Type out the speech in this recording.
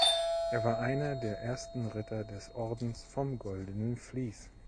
Er war einer der ersten Ritter des Ordens vom Goldenen Vlies.